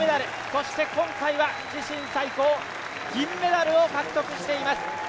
そして今回は自身最高銀メダルを獲得しています。